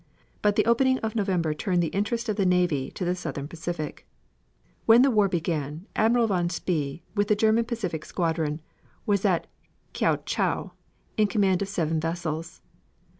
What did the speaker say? But the opening of November turned the interest of the navy to the Southern Pacific. When the war began Admiral von Spee, with the German Pacific squadron, was at Kiaochau in command of seven vessels.